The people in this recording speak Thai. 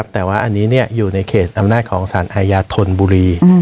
แต่ว่าอันนี้อยู่ในเขตอำนาจของสารอาญาธนบุรี